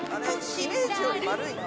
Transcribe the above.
イメージより丸いな。